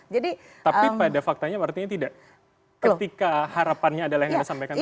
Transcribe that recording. tapi pada faktanya artinya tidak ketika harapannya adalah yang anda sampaikan tadi